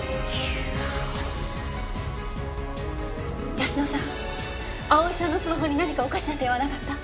泰乃さん蒼さんのスマホに何かおかしな点はなかった？